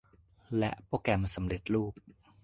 และโปรแกรมสำเร็จรูป